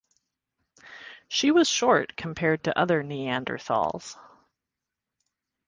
She was short compared to other Neanderthals.